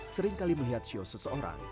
seringkali melihat sio seseorang